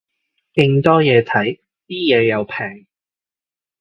勁多嘢睇，啲嘢又平